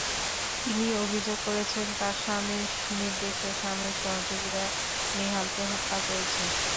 তিনি অভিযোগ করেছেন, তাঁর স্বামীর নির্দেশে স্বামীর সহযোগীরা নেহালকে হত্যা করেছে।